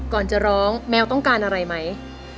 ก่อนจะร้องแมวต้องการอะไรไหม